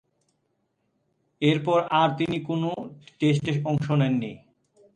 এরপর আর তিনি কোন টেস্টে অংশ নেননি।